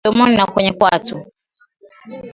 Vidonda midomoni na kwenye kwato